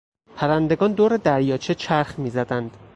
پرندگان دور دریاچه چرخ میزدند.